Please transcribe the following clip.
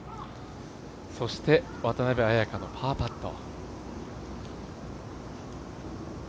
そして、渡邉彩香のパーパット。